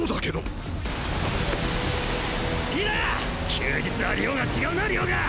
休日は量が違うな量が！